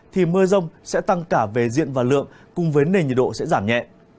thì mưa rông sẽ tăng cả về diện và lượng cùng với nền nhiệt độ sẽ giảm nhẹ